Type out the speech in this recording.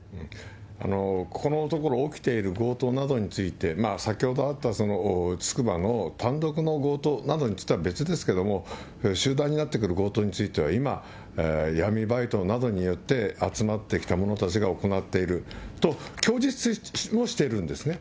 このところ起きている強盗などについて、先ほどあったつくばの単独の強盗などとは別ですけれども、集団になってくる強盗については今、闇バイトなどによって集まってきた者たちが行っていると、供述もしているんですね。